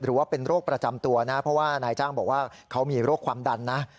หรือว่าเป็นโรคประจำตัวนะเพราะว่านายจ้างบอกว่าเขามีโรคความดันนะ